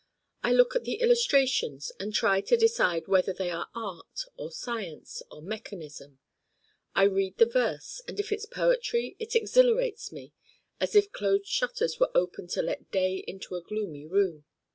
I look at the illustrations and try to decide whether they are art or science or mechanism. I read the verse and if it's poetry it exhilarates me as if closed shutters were opened to let Day into a gloomy Room.